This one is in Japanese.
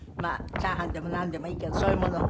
チャーハンでもなんでもいいけどそういうものを。